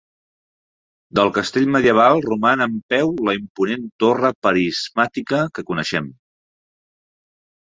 Del castell medieval roman en peu la imponent torre prismàtica que coneixem.